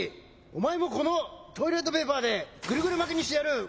おまえもこのトイレットペーパーでグルグルまきにしてやる。